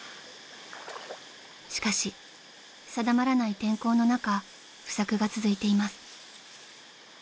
［しかし定まらない天候の中不作が続いています］